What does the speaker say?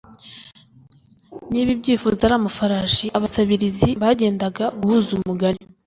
niba ibyifuzo ari amafarashi, abasabirizi bagendaga guhuza umugani